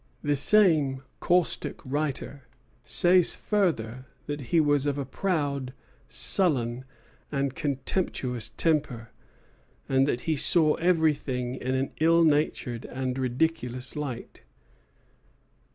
The same caustic writer says further that he was of "a proud, sullen, and contemptuous temper," and that he "saw everything in an ill natured and ridiculous light."